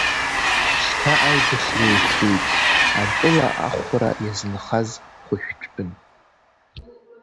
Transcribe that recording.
Шьҭа аибашьра еиқәтәеит атәыла ахәра иазынхаз хәшәтәтәын.